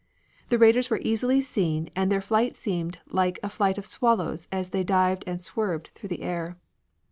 The raiders were easily seen and their flight seemed like a flight of swallows as they dived and swerved through the air.